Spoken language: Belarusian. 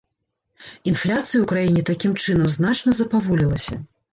Інфляцыя ў краіне такім чынам значна запаволілася.